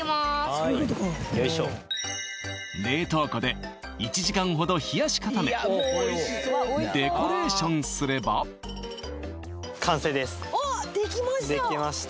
はいよいしょ冷凍庫で１時間ほど冷やし固めデコレーションすればおっできましたできました